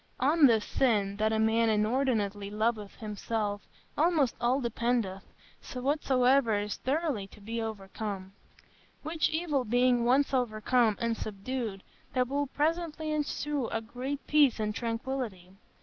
On this sin, that a man inordinately loveth himself, almost all dependeth, whatsoever is thoroughly to be overcome; which evil being once overcome and subdued, there will presently ensue great peace and tranquillity....